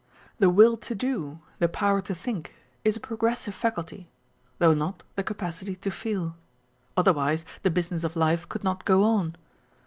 The will to do, the power to think, is a progressive faculty, though not the capacity to feel. Otherwise, the business of life could not go on.